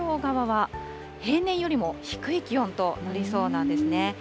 太平洋側は平年よりも低い気温となりそうなんですね。